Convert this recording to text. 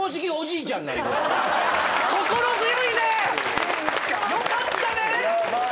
心強いね！よかったね！